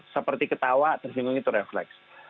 seperti ketawa tersinggung itu refleks